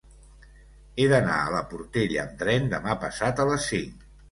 He d'anar a la Portella amb tren demà passat a les cinc.